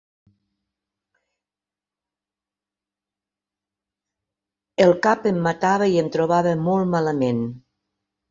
El cap em matava i em trobava molt malament.